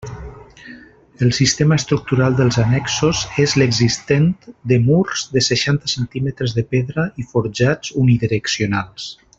El sistema estructural dels annexos és l'existent de murs de seixanta centímetres de pedra i forjats unidireccionals.